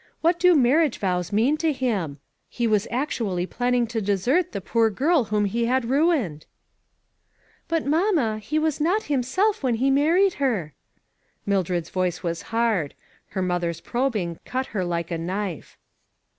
What do marriage vows mean to him ? He was actually planning to desert the poor girl whom he had ruined !"" But, mamma, he was not himself when he married her !" Mildred's voice was hard. Her mother's probing cut her like a knife.